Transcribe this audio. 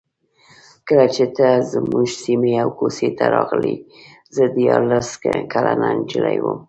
کله چې ته زموږ سیمې او کوڅې ته راغلې زه دیارلس کلنه نجلۍ وم.